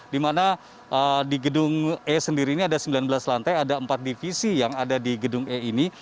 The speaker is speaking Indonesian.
di mana di gedung e sendiri ini ada sembilan belas lantai ada empat divisi yang ada di gedung e ini